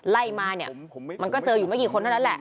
ไล่มาเนี่ยมันก็เจออยู่ไม่กี่คนเท่านั้นแหละ